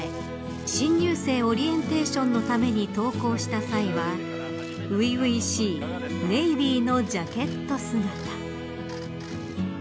新入生オリエンテーションのために登校した際は初々しいネイビーのジャケット姿。